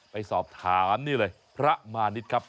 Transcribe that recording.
ไปสอบถามนี่เลยพระมานิดครับ